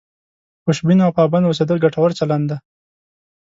خوشبین او پابند اوسېدل ګټور چلند دی.